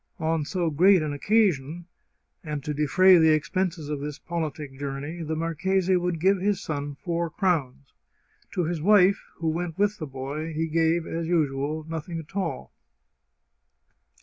On so great an occasion, and to defray the expenses of this politic journey, the marchese would give his son four crowns. To his wife, who went with the boy, he gave, as usual, nothing at all.